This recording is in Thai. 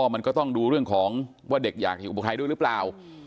มันก็ต้องดูเรื่องของว่าเด็กอยากเห็นอุปไทยด้วยหรือเปล่า